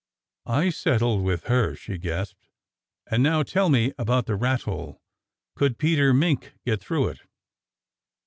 "I settled with her," she gasped. "And now tell me about the rat hole. Could Peter Mink get through it?"